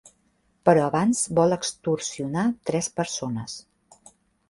Però abans vol extorsionar tres persones.